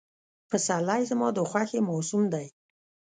پسرلی زما د خوښې موسم دی.